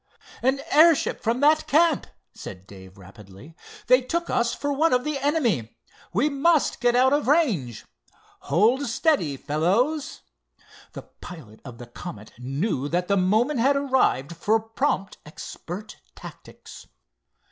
"An airship from that camp," said Dave, rapidly. "They took us for one of the enemy! We must get out of range! Hold steady, fellows!" The pilot of the Comet knew that the moment had arrived for prompt, expert tactics.